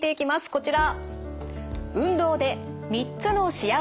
こちら。